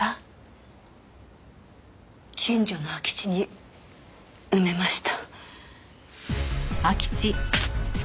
近所の空き地に埋めました。